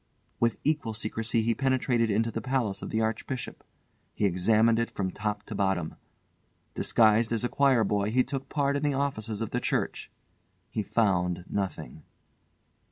With equal secrecy he penetrated into the palace of the Archbishop. He examined it from top to bottom. Disguised as a choir boy he took part in the offices of the church. He found nothing.